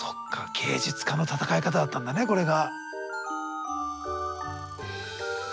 芸術家の戦い方だったんだねこれが。